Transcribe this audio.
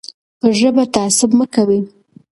په ژبه تعصب مه کوئ.